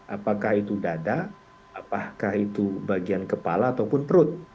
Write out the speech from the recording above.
apakah itu dada apakah itu bagian kepala ataupun perut